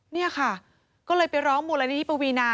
นี่ค่ะก็เลยไปร้องมูลนิธิปวีนา